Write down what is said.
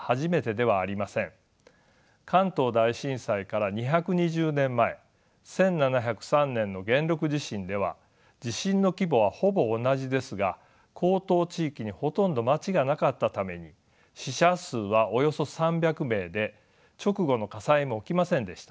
関東大震災から２２０年前１７０３年の元禄地震では地震の規模はほぼ同じですが江東地域にほとんど町がなかったために死者数はおよそ３００名で直後の火災も起きませんでした。